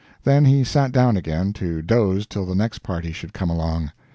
Then he sat down again, to doze till the next party should come along.